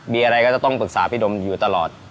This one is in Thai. มีอะไรก็จะต้องปรึกษาพี่ดมอยู่ตลอด